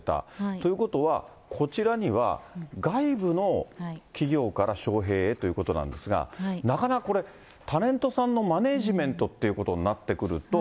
ということは、こちらには外部の企業から招へいへということなんですが、なかなかこれ、タレントさんのマネジメントということになってくると。